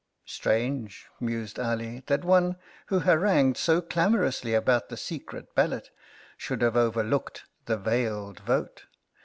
" "Strange," mused Ali, "that one who harangued so clamorously about the Secret Ballot should have overlooked the Veiled Vote."